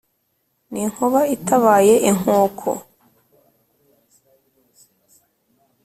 ni inkuba itabaye inkuku